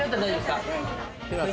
すいません